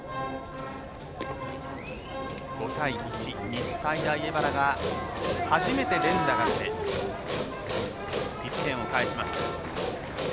５対１、日体大荏原が初めて連打が出て１点を返しました。